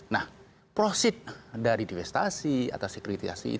nah proceed dari divestasi atau sekuritisasi